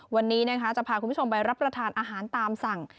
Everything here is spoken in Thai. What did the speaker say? วันนี้นะคะจะพาคุณผู้ชมไปรับประทานอาหารตามสั่ง